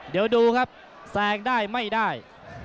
เดี๋ยวดูครับแซงได้ไม่ได้